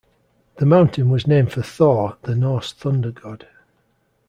The mountain was named for Thor, the Norse thunder god.